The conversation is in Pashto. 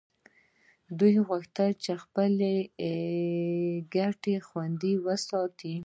دوی غوښتل چې خپلې ګټې خوندي وساتي